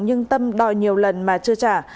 nhưng tâm đòi nhiều lần mà chưa trả